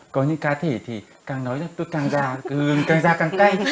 có những cá thể thì càng nói là tôi càng già càng già càng cay